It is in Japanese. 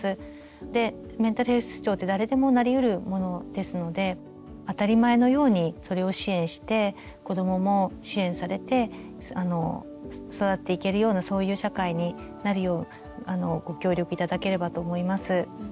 でメンタルヘルス不調って誰でもなりうるものですので当たり前のようにそれを支援して子どもも支援されて育っていけるようなそういう社会になるようご協力頂ければと思います。